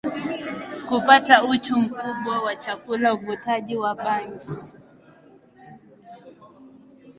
kupata uchu mkubwa wa chakula Uvutaji wa bangi